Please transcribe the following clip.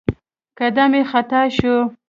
قدم يې خطا شو.